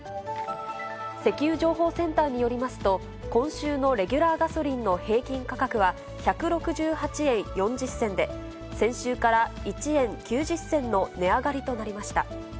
石油情報センターによりますと、今週のレギュラーガソリンの平均価格は１６８円４０銭で、先週から１円９０銭の値上がりとなりました。